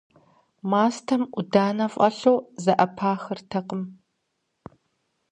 Мастэм Ӏуданэ фӀэлъу зэӀэпахтэкъым.